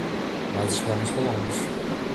Nós esperamos pelo ônibus